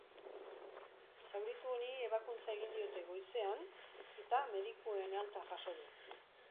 Zauritu honi ebakuntza egin diote goizean eta medikuen alta jaso du.